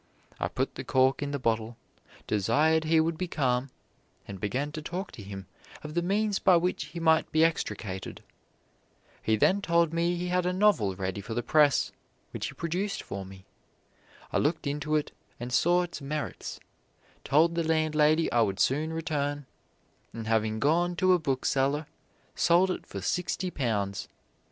I put the cork in the bottle, desired he would be calm, and began to talk to him of the means by which he might be extricated. He then told me he had a novel ready for the press, which he produced for me. I looked into it and saw its merits; told the landlady I would soon return, and having gone to a bookseller, sold it for sixty pounds.